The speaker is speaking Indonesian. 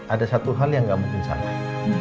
ada satu hal yang gak mungkin salah